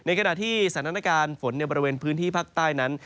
ในขณะที่สถานการณ์ฝนประเวณพื้นที่พักใต้นั้น